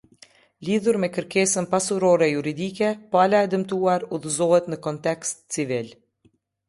Lidhur me kërkesën pasurore juridike, pala e dëmtuar udhëzohet në kontest civil.